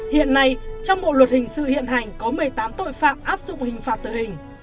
hiện nay trong bộ luật hình sự hiện hành có một mươi tám tội phạm áp dụng hình phạt tử hình